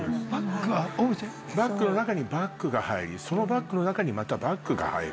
バッグの中にバッグが入りそのバッグの中にまたバッグが入る。